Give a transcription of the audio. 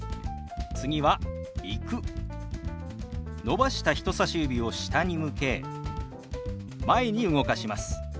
伸ばした人さし指を下に向け前に動かします。